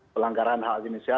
pelanggaran hak jenisnya